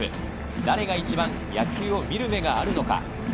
誰が一番野球を見る目があるのか。